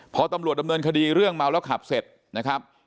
พอตำรวจดำเนินคดีเรื่องเมาแล้วขับเสร็จนะครับ